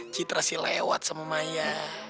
citra si lewat sama maya